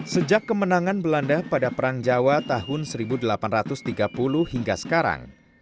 sejak kemenangan belanda pada perang jawa tahun seribu delapan ratus tiga puluh hingga sekarang